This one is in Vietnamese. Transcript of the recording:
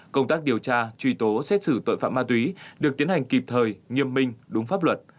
công tác điều tra truy tố xét xử tội phạm ma túy được tiến hành kịp thời nghiêm minh đúng pháp luật